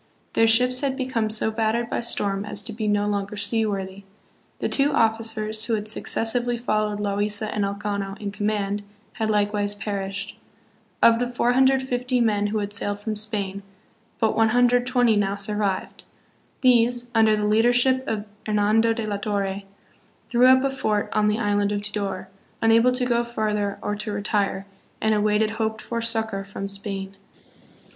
Their ships had become so battered by storm as to be no longer sea worthy. The two officers, who had successively followed Loaisa and Elcano in command, had likewise perished. Of the 450 men who had sailed from Spain, but 120 now survived. These, under the leadership of Hernando de la Torre, threw up a fort on the island of Tidor, unable to go farther or to retire, and awaited hoped for succor from Spain.